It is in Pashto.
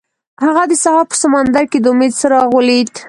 هغه د سهار په سمندر کې د امید څراغ ولید.